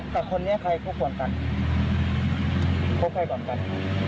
สิ่งดีในชีวิตครับ